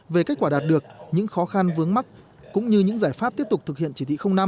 về kết quả đạt được những khó khăn vướng mắt cũng như những giải pháp tiếp tục thực hiện chỉ thị năm